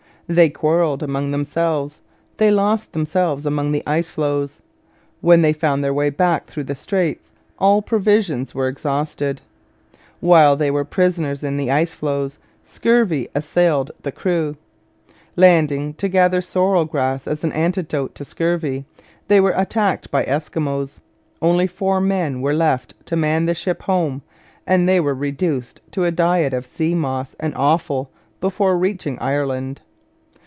They quarrelled among themselves. They lost themselves among the icefloes. When they found their way back through the straits all provisions were exhausted. While they were prisoners in the icefloes, scurvy assailed the crew. Landing to gather sorrel grass as an antidote to scurvy, they were attacked by Eskimos. Only four men were left to man the ship home, and they were reduced to a diet of sea moss and offal before reaching Ireland.